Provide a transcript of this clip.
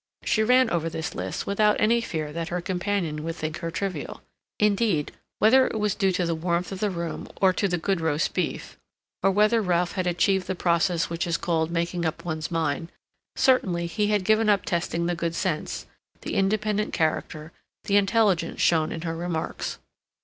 She ran over this list without any fear that her companion would think her trivial. Indeed, whether it was due to the warmth of the room or to the good roast beef, or whether Ralph had achieved the process which is called making up one's mind, certainly he had given up testing the good sense, the independent character, the intelligence shown in her remarks.